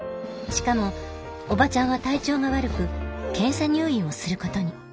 しかもオバチャンは体調が悪く検査入院をすることに。